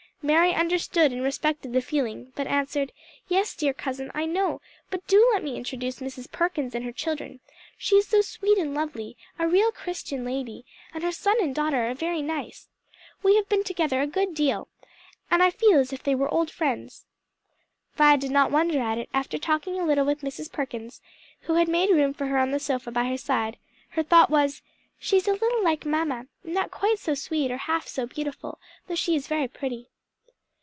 Mary understood and respected the feeling, but answered, "Yes, dear cousin, I know: but do let me introduce Mrs. Perkins and her children. She is so sweet and lovely, a real Christian lady; and her son and daughter are very nice. We have been together a great deal, and I feel as if they were old friends." Vi did not wonder at it after talking a little with Mrs. Perkins, who had made room for her on the sofa by her side; her thought was, "She is a little like mamma; not quite so sweet nor half so beautiful; though she is very pretty."